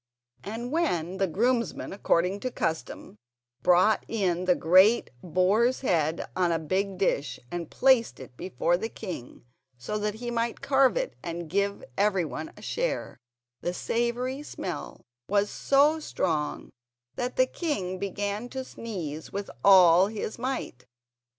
And when the groomsman, according to custom, brought in the great boar's head on a big dish and placed it before the king so that he might carve it and give everyone a share, the savoury smell was so strong that the king began to sneeze with all his might.